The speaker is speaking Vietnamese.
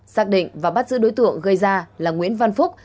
xác định và bắt giữ đối tượng gây ra là nguyễn văn phúc